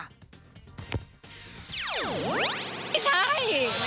หรือชิคกี้พาย